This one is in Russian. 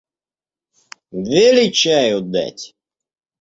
Вели чаю дать.